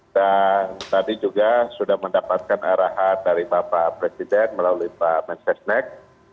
dan tadi juga sudah mendapatkan arahan dari bapak presiden melalui pak mensesnek